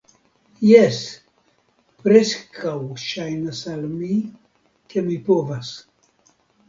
Jes, preskaŭ ŝajnas al mi, ke mi povas!